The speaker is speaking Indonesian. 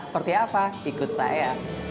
seperti apa ikut saya